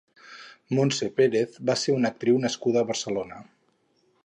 Montse Pérez va ser una actriu nascuda a Barcelona.